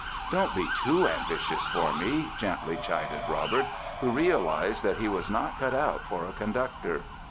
"Don't be too ambitious for me", gently chided Robert, who realized that he was not cut out for a conductor.